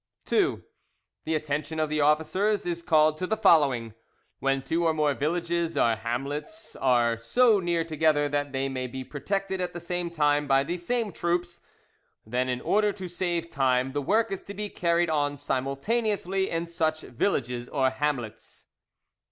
"II. The attention of the officers is called to the following:—When two or more villages or hamlets are so near together that they may be protected at the same time by the same troops, then in order to save time the work is to be carried on simultaneously in such villages or hamlets.